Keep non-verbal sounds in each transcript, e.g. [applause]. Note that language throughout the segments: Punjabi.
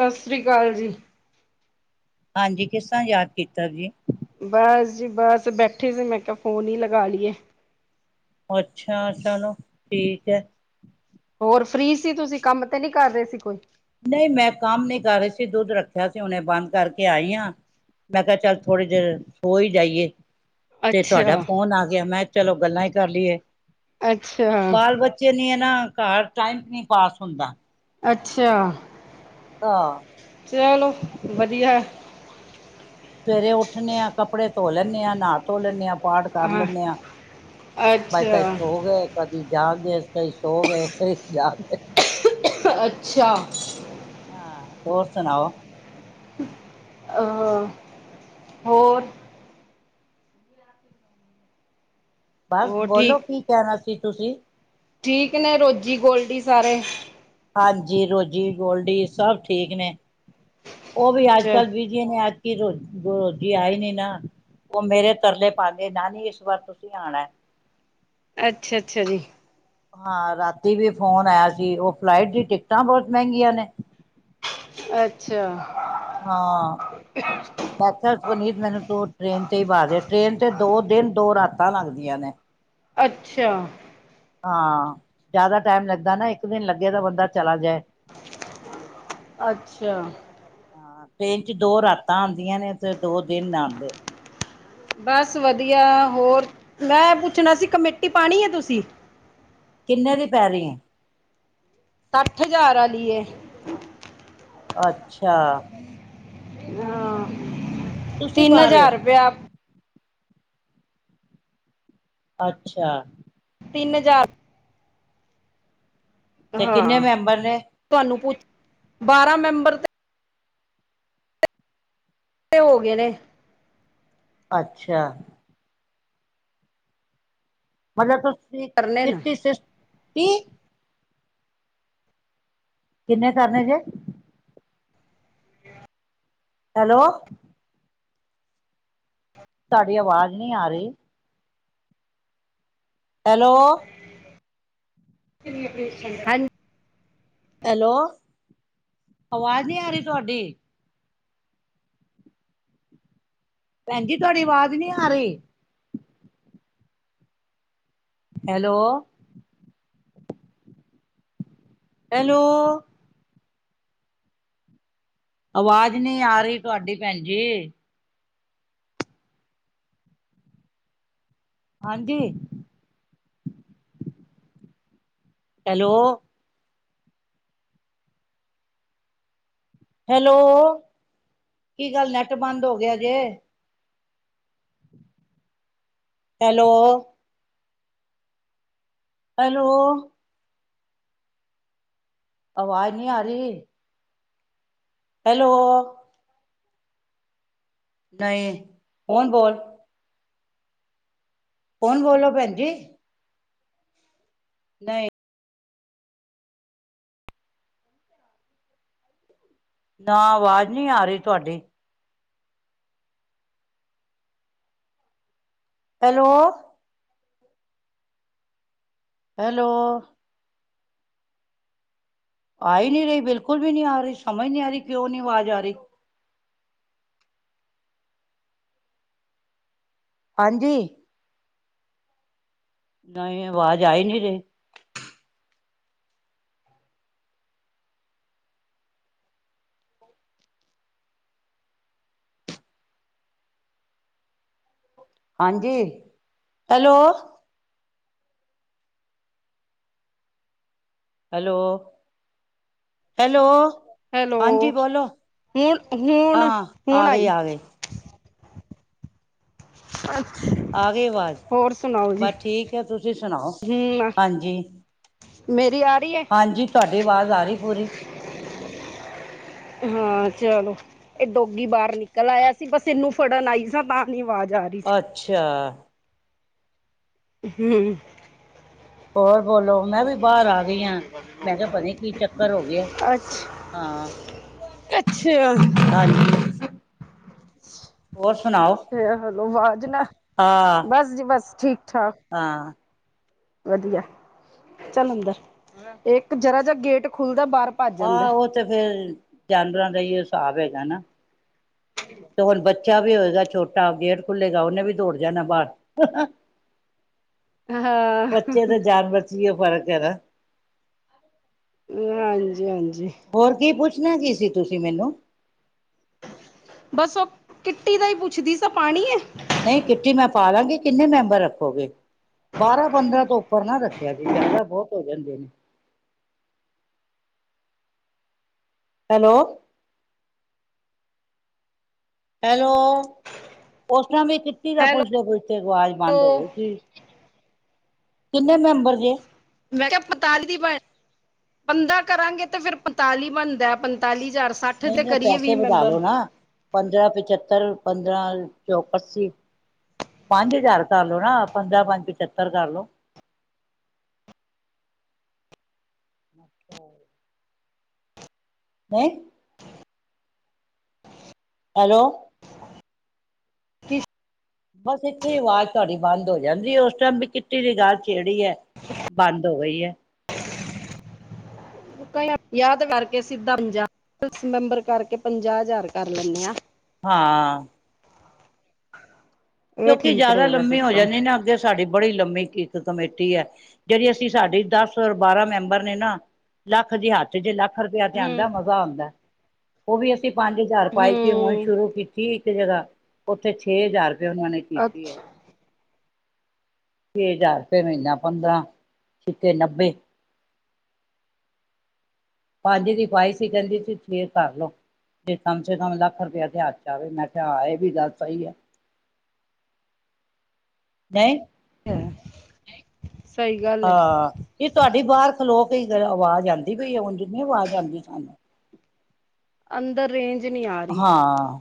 ਸਤਿ ਸ੍ਰੀ ਅਕਾਲ ਜੀ। ਹਾਂਜੀ ਕਿਸ ਤਰ੍ਹਾਂ ਯਾਦ ਕੀਤਾ ਜੀ। ਬਸ ਜੀ ਬਸ ਬੈਠੇ ਸੀ ਮੈਂ ਕਿਹਾ ਫੋਨ ਹੀ ਲਗਾ ਲਈਏ ਅੱਛਾ ਚਲੋ ਠੀਕ ਹੈ ਹੋਰ ਫੀ ਸੀ ਤੁਸੀਂ ਕੰਮ ਤੇ ਨਹੀਂੀ ਕਰ ਰਹੇ ਸੀ ਕੋਈ ਨਹੀਂ ਮੈਂ ਕੰਮ ਨੀ ਕਰ ਰਹੀ ਸੀ ਦੁੱਧ ਰੱਖਿਆ ਸੀ ਹੁਨੇ ਬੰਦ ਕਰਕੇ ਆਈ ਹਾਂ ਮੈਂ ਕਿਹਾ ਚੱਲ ਥੋੜੇ ਦੇਰ ਸੋ ਹੀ ਜਾਈਏ ਤੇ ਤੁਹਾਡਾ ਅੱਛਾ ਫੋਨ ਆ ਗਿਆ ਮੈਂ ਕਿਹਾ ਚਲੋ ਗੱਲਾਂ ਹੀ ਕਰ ਲਈਏ ਅੱਛਾ ਬਾਲ ਬ ਬੱਚੇ ਨੀ ਇਹ ਨਾ ਘਰ ਟਾਈਮ ਨਹੀ ਪਾਸ ਹੁੰਦਾ। ਅੱਛਾ ਹਾਂ ਚਲੋ ਵਧੀਆ। ਸਵੇਰੇ ਉੱਠਣੇ ਆਾਂ ਕੱਪੜੇ ਧੋ ਲੈਂਦੇ ਹਾਂ ਨਾ ਧੋ ਲੈਂਦੇ ਹਾਂ ਪਾਠ ਕਰ ਲੈਂਦੇ ਹਾਂ ਬਾਈ ਤਾਂ ਇਸ ਅੱਛਾ ਹੋ ਗਏ ਕਦੀ ਜਾਣਗੇ ਕਈ ਸੋ ਗਏ ਜਾਗੇ ਅੱਛਾ ਹਾਂ ਤਰ ਸੁਣਾਓ। ਆ ਹੋਰ ਬਸ ਹੋਰ ਬੋਲੋ ਠੀਕ ਕੀ ਕਹਿਣਾ ਸੀ ਤੁਸੀਂ ਠੀਕ ਨੇ ਰੋਜ਼ਜੀ ਗੋਲਡੀ ਸਾਰੇ। ਹਾਂਜੀ ਰੋਜ਼ ਗੋਲਡੀ ਸਭ ਠੀਕ ਨੇ ਉਹ ਵੀ ਚ ਅੱਜ ਕੱਲ੍ਹ ਵੀ। ਨੇ ਅੱਜ ਕੀ ਰੋ ਰੋਜ਼ੀ ਆਏ ਨੀ ਨਾ। ਉਹ ਮੇਰੇ ਤਰਲੇ ਪਾਉਂਦੇ ਨਾਨੀ ਇਸ ਵਾਰ ਤੁਸੀਂ ਆਉਣਾ। ਅੱਛਾ ਅੱਛਾ ਜੀ। ਹਾਂ ਰਾਤੀ ਵੀ ਫੋਨ ਆਇਆ ਸੀ ਉਹ ਫਲਾਈਟ ਦੀ ਟਿਕਟਾਂ ਬਹੁਤ ਮਹਿੰਗੀਆਂ ਨੇ। ਅੱਛਾ ਵੈਸੇ ਸੁਨੀਤ ਮੈਨੂੰ ਤੂੰ ਟ੍ਰੇਨ ਤੇ ਹੀ ਪਾ ਦੇ ਟ੍ਰੇਨ ਤੇ ਦੋ ਦਿਨ ਦੋ ਰਾਤਾਂ ਲੱਗਦੀਆਂ ਨੇ। ਅੱਛਾ ਹਾਂ ਜ਼ਿਆਦਾ ਟਾਈਮ ਲੱਗਦਾ ਨਾ ਇੱਕ ਦਿਨ ਲੱਗੇ ਤਾਂ ਬੰਦਾ ਚਲਾ ਜਾਏ। ਅੱਛਾ ਹਾਂ ਟ੍ਰੇਨ ਚ ਦੋ ਰਾਤਾਂ ਆਉਂਦੀਆਂ ਨੇ ਤੇ ਦੋ ਦਿਨ ਆਉਂਦੇ। ਬਸ ਵਧੀਆ ਹੋਰ ਮੈਂ ਪੁੱਛਣਾ ਸੀ ਕਮੇਟੀ ਪਾਉਣੀ ਹੈ ਤੁਸੀਂ? ਕਿੰਨੇ ਦੀ ਪੈ ਰਹੀ ਹੈ। ਸੱਠ ਹਜ਼ਾਰ ਵਾਲੀ ਹੈ। ਅੱਛਾ ਹਾਂ ਤੁਸੀਂ ਤਿੰਨ ਪਾ ਰਹੇ ਹਜ਼ਾਰ ਹੋ ਰੁਪਇਆ। ਅੱਛਾ ਤਿੰਨ ਹਜ਼ਾਰ ਤੇ ਕਿੰਨੇ ਹਾਂ ਮੈਂਬਰ ਨੇ ਤੁਹਾਨੂੰ ਪੁਛ ਬਾਰਾਂ ਮੈਂਬਰ ਤੇ। ਤੇ ਹੋ ਗਏ ਨੇ। ਅੱਛਾ ਮਤਲਬ ਤੁਸੀਂ ਕਰਨੇ ਨਾ ਕਿਟੀ [inaudible] ਕਿੰਨੇ ਕਰਨੇ ਜੇ ਹੈਲੋ ਤੁਹਾਡੀ ਆਵਾਜ਼ ਨਹੀਂ ਆ ਰਹੀ। ਹੈਲੋ ਹਾਂਜੀ ਹੈਲੋ, ਅਵਾਜ਼ ਨਹੀਂ ਆ ਰਹੀ ਤੁਹਾਡੀ। ਭੈਣ ਜੀ ਤੁਹਾਡੀ ਆਵਾਜ਼ ਨੀ ਆ ਰਹੀ। ਹੈਲੋ ਹੈਲੋ ਆਵਾਜ਼ ਨਹੀਂ ਆ ਰਹੀ ਤੁਹਾਡੀ ਭੈਣ ਜੀ। ਹਾਂਜੀ। ਹੈਲੋ ਹੈਲੋ, ਕੀ ਗੱਲ ਨੈੱਟ ਬੰਦ ਹੋ ਗਿਆ ਜੇ। ਹੈਲੋ ਹੈਲੋ ਆਵਾਜ਼ ਨਹੀਂ ਆ ਰਹੀ ਹੈਲੋ ਨਹੀਂ ਹੋਣ ਬੋਲ ਕੌਣ ਬੋਲੋ ਭੈਣ ਜੀ ਨਹੀਂ ਨਾ ਆਵਾਜ਼ ਨਹੀਂ ਆ ਰਹੀ ਤੁਹਾਡੀ। ਹੈਲੋ ਹੈਲੋ ਆ ਹੀ ਨਹੀਂ ਰਹੀ ਬਿਲਕੁਲ ਵੀ ਨਹੀਂ ਆ ਰਹੀ ਸਮਝ ਨਹੀਂਆ ਰਿਹਾ ਕਿਉਂ ਨੀ ਆਵਾਜ਼ ਆ ਰਹੀ। ਹਾਂਜੀ ਨਹੀਂ ਆਵਾਜ਼ ਆਈ ਨੀ ਰਹੀ। ਹਾਂਜੀ ਹੈਲੋ। Hello hello. ਹੈਲੋ ਹਾਂਜੀ ਬੋਲੋ, ਹੁਣ ਹੁਣ ਹਾਂ, ਆ ਹੁਣ ਗਈ ਆਈ ਆ ਗਈ। ਅੱਛਾ ਆ ਗਏ ਆਵਾਜ਼ ਬਸ ਠੀਕ ਹੈ। ਤੁਸੀਂ ਸੁਣਾਓ ਹਮ ਹਾਂਜੀ ਮੇਰੀ ਆ ਰਹੀ ਹੈ। ਹਾਂਜੀ ਤੁਹਾਡੀ ਆਵਾਜ਼ ਆ ਰਹੀ ਪੂਰੀ ਹਾਂ ਚਲੋ ਇਹ ਡੋਗੀ ਬਾਹਰ ਨਿਕਲ ਆਇਆ ਸੀ ਬਸ ਇਹਨੂੰ ਫੜਨ ਆਈ ਸ ਤਾਂ ਨੀ ਆਵਾਜ਼ ਆ ਰਹੀ ਸੀ ਅੱਛਾ ਹਮ ਹੋਰ ਬੋਲੋ ਮੈਂ ਵੀ ਬਾਹਰ ਆ ਗਈ ਆ ਮੈਂ ਕਿਹਾ ਪਤਾ ਕੀ ਚੱਕਰ ਹੋ ਗਿਆ। ਅੱਠ ਹਾਂ ਅੱਛਾ ਹਾਂਜੀ ਹੋਰ ਸੁਣਾਓ ਅੱਛਾ ਹੈਲੋ ਆਵਾਜ਼ ਨਾ ਹਾਂ ਬਸ ਜੀ ਬਸ ਠੀਕ ਠਾਕ ਹਾਂ ਵਧੀਆ ਚੱਲ ਅੰਦਰ ਇੱਕ ਜ਼ਰਾ ਜਾ ਗੇਟ ਖੁੱਲਦਾ ਬਾਹਰ ਭੱਜ ਜਾਂਦਾ ਆਹ ਉਹ ਤੇ ਫਿਰ ਜਾਨਵਰਾਂ ਦਾ ਹੀ ਹਿਸਾਬ ਹੈਗਾ ਨਾ ਹ ਤੇ ਹੁਣ ਬੱਚਾ ਵੀ ਹੋਏਗਾ ਛੋਟਾ ਗੇਟ ਖੁੱਲੇਗਾ ਉਹਨੇ ਵੀ ਦੌੜ ਜਾਣਾ ਬਾਹਰ ਹਾਂ ਬੱਚੇ ਤੇ ਹਾਂਜੀ ਜਾਨਵਰ ਚ ਹੀ ਫ਼ਰਕ ਹੈ ਨਾ ਹਾਂਜੀ ਹਾਂਜੀ ਹੋਰ ਕੀ ਪੁੱਛਣਾ ਕੀ ਸੀ ਤੁਸੀਂ ਮੈਨੂੰ ਬਸ ਉਹ ਕਿੱਟੀ ਦਾ ਹੀ ਪੁੱਛਦੀ ਸ ਪਾਣੀ ਹੈ। ਨਹੀਂ ਕਿੱਟੀ ਮੈਂ ਪਾ ਲਾਂਗੀ ਕਿੰਨੇ ਮੈਂਬਰ ਰੱਖੋਗੇ ਬਾਰਾਂ ਪੰਦਰਾਂ ਤੋਂ ਉੱਪਰ ਨਾ ਰੱਖੇ ਿਆ [unintelligible] ਜੀ ਜ਼ਿਆਦਾ ਬਹੁਤ ਹੋ ਜਾਂਦੇ ਨੇ ਹੈਲੋ ਹੈਲੋ ਉਸਤੋ ਵੀ ਕਿੱਟੀ ਦਾ ਪੁੱਛਦੇ ਪੁੱਛ ਤੇ ਆਵਾਜ਼ ਬੰਦ ਹੋ ਹੈਲੋ ਗਈ ਸੀ ਕਿੰਨੇ ਮੈਂਬਰ ਜੇ ਮੈਂ ਕਿਹਾ ਪੰਤਾਲੀ ਬਣ ਪੰਦਰਾਂ ਕਰਾਂਗੇ ਤੇ ਫਿਰ ਪੰਤਾਲੀ ਬਣਦਾ ਪੰਤਾਲੀ ਹਜ਼ਾਰ ਸੱਠ ਨਹੀਂ ਦੇ ਨਾ ਕਰੀਏ ਪੈਸੇ ਵੀਹ ਮੈਂਬਰ ਵਧਾਲੋ ਨਾ ਪੰਦਰਾਂ ਪਚੱਤਰ ਪੰਦਰਾਂ ਚੌਕੱਸੀ ਪੰਜ ਹਜ਼ਾਰ ਕਰ ਲੋ ਨਾ ਪੰਦਰਾਂ ਪੰਜ ਪਚੱਤਰ ਕਰ ਲੋ ਅੱਛਾ ਜ ਹੈ [unintelligible] ਹੈਲੋ ਕਿਸ ਬਸ ਇੱਥੇ ਹੀ ਆਵਾਜ਼ ਤੁਹਾਡੀ ਬੰਦ ਹੋ ਜਾਂਦੀ ਹੈ। ਉਸ ਟਾਈਮ ਵੀ ਕਿੱਟੀ ਦੀ ਗੱਲ ਛੇੜੀ ਹੈ। ਬੰਦ ਹੋ ਗਈ ਹੈ। ਕੱਲ ਇਹ ਯਾਦ ਕਰਕੇ ਸਿੱਧਾ ਭੱਜਾ। ਦਸ ਮੈਂਬਰ ਕਰਕੇ ਪੰਜਾਹ ਹਜ਼ਾਰ ਕਰ ਲੈਂਦੇ ਆਂ। ਹਾਂ। ਇਹ ਕਿਉਂਕਿ ਠੀਕ ਜ਼ਿਆਦਾ ਰਹੇਗਾ ਲੰਮੇ ਹੋ ਸਿਸਟਮ ਜਾਂਦੇ ਨਾ ਅੱਗੇ। ਸਾਡੀ ਬੜੀ ਲੰਮੀ ਇੱਕ ਕਮੇਟੀ ਹੈ। ਜਿਹੜੀ ਅਸੀਂ ਸਾਡੀ ਦਸ ਔਰ ਬਾਰਾਂ ਮੈਂਬਰ ਨੇ ਨਾ। ਲੱਖ ਦੀ ਹੱਥ ਲੱਖ ਰੁਪਇਆ ਤੇ ਹਮ ਆਉਂਦਾ ਮਜ਼ਾ ਆਉਂਦਾ ਹੈ। ਉਹ ਵੀ ਅਸੀਂ ਪੰਜ ਹਜ਼ਾਰ ਪਾਈ ਸੀ। ਹੁਣ ਹਮ ਸ਼ੁਰੂ ਕੀਤੀ ਸੀ। ਇੱਕ ਜਗ੍ਹਾ ਉੱਥੇ ਛੇ ਹਜ਼ਾਰ ਰੁਪਏ ਉਹਨਾਂ ਨੇ। ਠੀਕ ਹੀ ਹੈ। ਅੱਛਾ ਛੇ ਹਜ਼ਾਰ ਰੁਪਏ ਮਹੀਨਾ ਪੰਦਰਾਂ ਛਿੱਕੇ ਨੱਬੇ ਪੰਜ ਦੀ ਪਾਈ ਸੀ ਕਹਿੰਦੀ ਸੀ ਛੇ ਕਰਲਓ ਤੇ ਕਮ ਸੇ ਕਮ ਲੱਖ ਰੁਪਇਆ ਤੇਿਆਚ [unintelligible] ਆਵੇ ਮੈਂ ਕਿਹਾ ਹਾਂ ਇਹ ਵੀ ਗੱਲ ਸਹੀ ਹੈ ਨਹੀਂ ਏ। ਹੂੰ। ਹਾਂ ਇਹ ਤੁਹਾਡੀ ਬਾਹਰ ਖਲੋ ਕੇ ਆਵਾਜ਼ ਫੇਰ ਆਉਂਦੀ ਪਈ ਹੈ। ਹੋਰ ਕਿਤੇ ਨਹੀਂ ਆਵਾਜ਼ ਆਉਂਦੀ ਸਾਨੂੰ। ਅੰਦਰ ਰੇਂਜ। ਨਹੀਂ ਆ ਰਹੀ ਹਾਂ।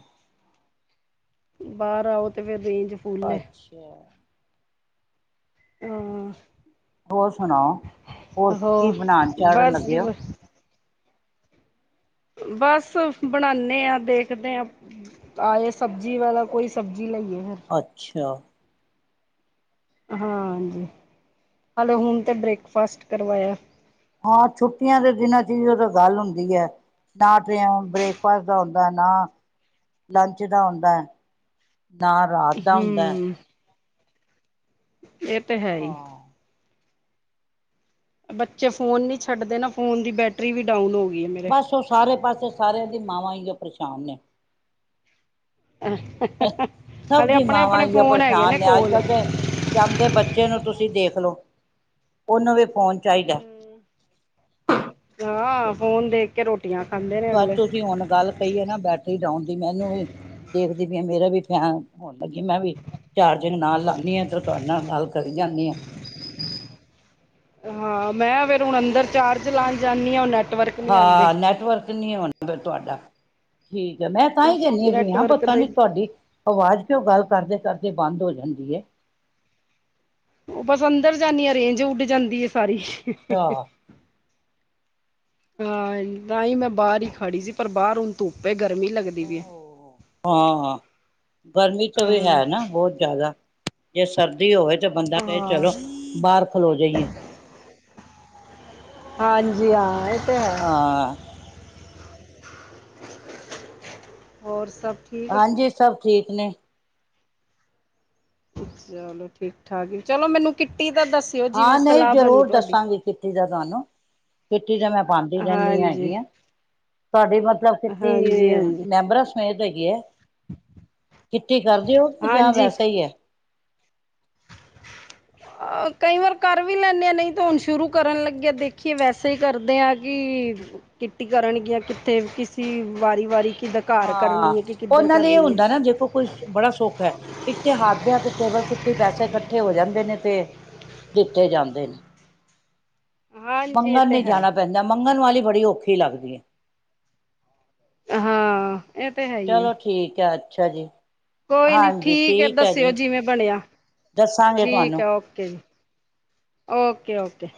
ਬਾਹਰ ਆਓ ਤੇ ਫੇਰ ਰੇਂਜ। ਫੁੱਲ ਹੈ ਅੱਛਾ। ਹਾਂ ਹੋਰ ਸੁਣਾਓ ਕੀ ਹੋਰ ਬਣਾਉਣ ਚਾੜਨ ਬਸ ਜੀ ਲੱਗੇ ਹੋ ਬਸ। ਬਸ ਬਣਾਉਦੇ ਹਾਂ ਦੇਖਦੇ ਹਾਂ। ਆਏ ਸਬਜ਼ੀ ਵਾਲਾ ਕੋਈ ਸਬਜ਼ੀ ਲਈਏ ਫਿਰ। ਅੱਛਾ। ਹਾਂ ਹਾਂਜੀ ਹਲੇ ਹੁਣ ਤਾਂ ਬ੍ਰੇਕਫਾਸਟ ਕਰਵਾਇਆ ਹੈ। ਹਾਂ ਛੁੱਟੀਆਂ ਦੇ ਦਿਨਾਂ 'ਚ ਹੀ ਉਹ ਤਾਂ ਗੱਲ ਹੁੰਦੀ ਹੈ। ਨਾ ਤੇ ਐਵੇਂ ਬ੍ਰੇਕਫਾਸਟ ਦਾ ਹੁੰਦਾ ਨਾ। ਲੰਚ ਦਾ ਹੁੰਦਾ ਹੈ ਨਾ। ਰਾਤ ਦਾ ਹੁੰਦਾ ਹੂੰ ਇਹ ਤਾਂ ਹੈ ਹੀ। ਹਾਂ ਬੱਚੇ ਫੋਨ ਨੀ ਛੱਡਦੇ ਨਾ ਫੋਨ ਦੀ ਬੈਟਰੀ ਵੀ ਡਾਊਨ ਹੋ ਗਈ। ਹੈ ਮੇਰੇ ਬਸ ਉਹ ਸਾਰੇ ਪਾਸੇ ਸਾਰਿਆਂ ਦੀ ਮਾਵਾਂ ਹੀ ਜੋ ਪਰੇਸ਼ਾਨ ਨੇ। ਸਭ ਹਾਲੇ ਦੀ ਆਪਣੇ ਮਾਵਾਂ ਆਪਣੇ ਇਹ ਫੋਨ ਹੈਗੇ ਪਰੇਸ਼ਾਨ ਨੇ ਅੱਜ ਕੋਲ ਕੱਲ ਤੇ। ਜੰਮਦੇ ਬੱਚੇ ਨੂੰ ਤੁਸੀਂ ਦੇਖ ਲਓ ਉਹਨੂੰ ਵੀ ਫੋਨ ਚਾਹੀਦਾ ਹੈ। ਹਾਂ ਫੋਨ ਦੇਖ ਕੇ ਰੋਟੀ। ਰੋਟੀਆਂ ਖਾਂਦੇ। ਨੇ ਬਸ ਅਗਲੇ ਤੁਸੀਂ ਹੁਣ ਗੱਲ ਕਹੀਏ ਨਾ ਬੈਟਰੀ ਡਾਊਨ ਦੀ ਮੈਨੂੰ ਵੀ। ਦੇਖਦੀ ਪਈ ਆ ਮੇਰਾ ਵੀ ਫੈਨ ਹੋਣ ਲੱਗੀ ਮੈਂ ਵੀ। ਚਾਰਜਿੰਗ ਨਾਲ ਲਾਉਂਦੇ ਹਾਂ ਤਾਂ ਤੁਹਾਡੇ ਨਾਲ ਕਰੀ ਜਾਂਦੇ ਹਾਂ। ਹਾਂ ਮੈਂ ਫੇਰ ਹੁਣ ਅੰਦਰ ਚਾਰਜ ਲਾਨ ਜਾਂਦੀ ਹਾਂ ਉਹ। ਨੈਟਵਰਕ ਨਹੀਂ ਆਉਂਦੇ ਹਾਂ ਨੈਟਵਰਕ ਨਹੀਂ ਆਉਂਦਾ ਫੇਰ ਤੁਹਾਡਾ। ਠੀਕ ਆ ਮੈਂ ਤਾਂ ਹੀ ਕਹਿੰਦੀ ਹਾਂ। ਨੈਟਵਰਕ ਪਤਾ ਦਾ ਨਹੀਂ ਤੁਹਾਡੀ। ਆਵਾਜ਼ ਕਿਉਂ ਗੱਲ ਕਰਦੇ ਕਰਦੇ ਬੰਦ ਹੋ ਜਾਂਦੀ ਹੈ। ਉਹ ਬਸ ਅੰਦਰ ਜਾਂਦੀ ਆ ਰੇਂਜ ਉੱਡ ਜਾਂਦੀ ਆ ਸਾਰੀ। ਅੱਛਾ ਹਾਂ ਤਾਂ ਹੀ ਮੈਂ ਬਾਹਰ ਹੀ ਖੜੀ ਸੀ। ਪਰ ਬਾਹਰ ਹੁਣ ਧੁੱਪ ਹੈ। ਗਰਮੀ ਲੱਗਦੀ ਪਈ ਹੈ। ਹਾਂ ਗਰਮੀ ਤਾਂ ਫੇਰ ਹੈ ਨਾ ਹਾਂ ਬਹੁਤ ਜ਼ਿਆਦਾ ਜੇ ਸਰਦੀ ਹੋਵੇ। ਤੇ ਬੰਦਾ ਫੇਰ ਹਾਂ ਚਲੋ ਬਾਹਰ ਖਲੋ ਜਾਈਏ। ਹਾਂਜੀ ਹਾਂ। ਤੇ ਹੈ ਹਾਂ। ਹੋਰ ਸਭ। ਠੀਕ ਆ ਹਾਂਜੀ ਸਭ ਠੀਕ ਨੇ। ਚਲੋ ਠੀਕ ਠਾਕ ਏ, ਚਲੋ ਮੈਨੂੰ ਕਿੱਟੀ ਤਾਂ ਦੱਸ ਹਾਂ ਨਹੀਂ, ਜ਼ਰੂਰ ਦੱਸਾਂਗੀ ਕਿੱਟੀ ਦਾ ਤੁਹਾਨੂੰ। ਕਿੱਟੀ ਤੇ ਮੈਂ ਪਾਉਂਦੀ ਰਹਿੰਦੀ ਹਾਂਜੀ ਹੈਗੀ ਆ। ਤੁਹਾਡੀ ਮਤਲਬ ਕਿੱਟੀ ਹਾਂਜੀ ਹਾਂਜੀ ਮੈਂਬਰਾਂ? ਮੇਹਨਤ ਹੈਗੀ ਐਂ, ਕਿੱਟੀ ਕਰਦੇ ਹੋ ਜਾਂ ਹਾਂਜੀ ਵੈਸੇ ਹੀ ਹੈ। ਅਹਿ ਕਈ ਵਾਰ ਕਰ ਵੀ ਲੈਂਨੇ ਆ ਨਹੀਂ ਤਾਂ ਹੁਣ ਸ਼ੁਰੂ ਕਰਨ ਲੱਗੇ ਆ ਦੇਖੀਏ ਵੈਸੇ ਹੀ ਕਰਦੇ ਹਾਂ ਕਿ। ਕਿੱਟੀ ਕਰਨਗੀਆਂ ਕਿੱਥੇ ਕਿਸੀ ਵਾਰੀ, ਵਾਰੀ। ਕਿੱਦਾਂ ਘਰ ਹਾਂ ਕਰਨੀ ਹੈ ਕਿ ਉਹ ਕਿੱਧਰ ਨਾਲ ਇਹ ਕਰਨੀ ਹੈ ਹੁੰਦਾ ਨਾ ਜੇ ਕੋੋ ਕੁਛ ਬੜਾ ਸੁੱਖ ਹੈ ਇੱਥੇ ਹੱਥ ਦੇ ਹੱਥ ਟੇਬਲ ਕਿਟੀ ਪੈਸੇ ਇਕੱਠੇ ਹੋ ਜਾਂਦੇ ਨੇ ਤੇ ਦਿੱਤੇ ਜਾਂਦੇ ਨੇ [unintelligible] ਹਾਂਜੀ ਇਹ ਮੰਗਣ ਤੇ ਨੀ ਹੈ ਜਾਣਾ ਪੈਂਦਾ ਮੰਗਣ ਵਾਲੀ ਬੜੀ ਔਖੀ ਲੱਗਦੀ ਹੈ। ਹਾਂ ਇਹ ਤੇ ਹੈ ਹੀ ਹੈ ਚਲੋ ਠੀਕ ਹੈ ਅੱਛਾ ਜੀ। ਕੋਈ ਨੀ ਠੀਕ ਹੈ। ਦੱਸਿਓ ਜਿਵੇਂ ਬਣਿਆ ਹੈ। ਦੱਸਾਂਗੇ ਠੀਕ ਤੁਹਾਨੂੰ ਓਕੇ ਜੀ। Okay, okay.